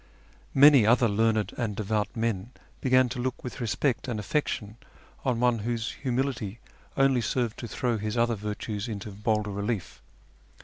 Many other learned and devout men began to look with respect and affection on one whose humility only served to throw his other virtues into bolder relief.